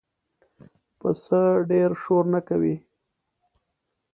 پسه ډېره شور نه کوي.